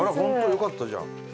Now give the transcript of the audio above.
よかったじゃん。